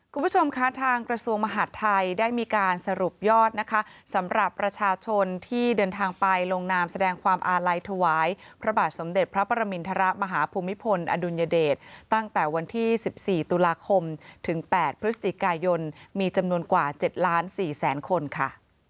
คุณผู้ชมคะทางกระทรวงมหาดไทยได้มีการสรุปยอดนะคะสำหรับประชาชนที่เดินทางไปลงนามแสดงความอาลัยถวายพระบาทสมเด็จพระประมินทรมาฮภูมิพลอดุลยเดชตั้งแต่วันที่๑๔ตุลาคมถึง๘พฤศจิกายนมีจำนวนกว่า๗ล้าน๔แสนคนค่ะ